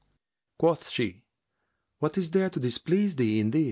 "[FN#398] Quoth she, "What is there to displease thee in this?